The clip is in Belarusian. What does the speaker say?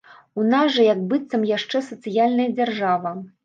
У нас жа як быццам яшчэ сацыяльная дзяржава.